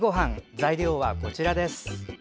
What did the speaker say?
材料はこちらです。